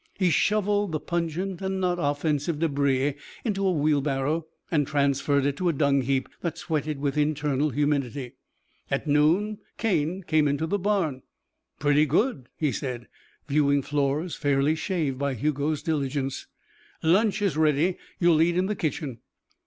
He shoveled the pungent and not offensive débris into a wheelbarrow and transferred it to a dung heap that sweated with internal humidity. At noon Cane came into the barn. "Pretty good," he said, viewing floors fairly shaved by Hugo's diligence. "Lunch is ready. You'll eat in the kitchen."